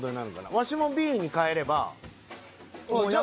ワシもＢに変えれば。